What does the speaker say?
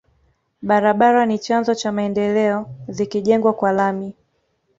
Barabara ni chanzo cha maendeleo zikijengwa kwa lami